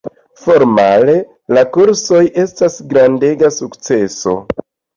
Formale, la kursoj estas grandega sukceso.